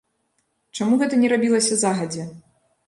Чаму гэта не рабілася загадзя?